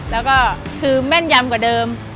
แล้วก็คือแม่นยำกว่าเดิม